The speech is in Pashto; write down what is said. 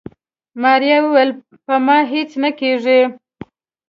ماريا وويل په ما هيڅ نه کيږي.